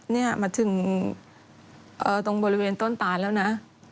นี่มาถึงตรงบริเวณต้นตาแล้วนะ